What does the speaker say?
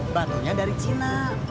batunya dari cina